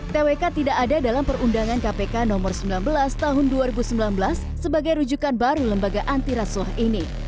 twk tidak ada dalam perundangan kpk nomor sembilan belas tahun dua ribu sembilan belas sebagai rujukan baru lembaga antirasuah ini